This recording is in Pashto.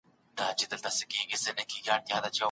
لور باید له زده کړو پاته نه سي.